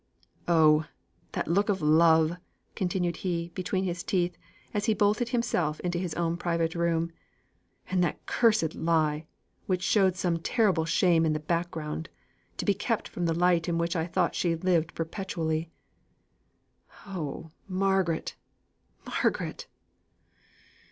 Oh! that look of love!" continued he, between his teeth, as he bolted himself into his own private room. "And that cursed lie; which showed some terrible shame in the background, to be kept from the light in which I thought she lived perpetually! Oh, Margaret, Margaret!